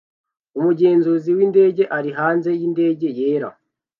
Umugenzuzi windege ari hanze yindege yera